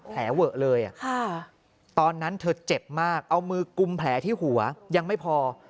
เวอะเลยตอนนั้นเธอเจ็บมากเอามือกุมแผลที่หัวยังไม่พอ